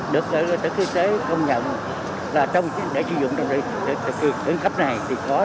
được tổ chức y tế công nhận là để sử dụng trong đại dịch tổ chức y tế cấp này thì có